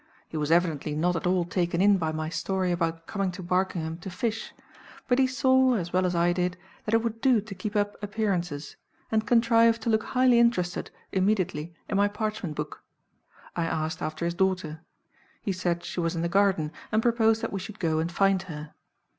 He was evidently not at all taken in by my story about coming to Barkingham to fish; but he saw, as well as I did, that it would do to keep up appearances, and contrived to look highly interested immediately in my parchment book. I asked after his daughter. He said she was in the garden, and proposed that we should go and find her.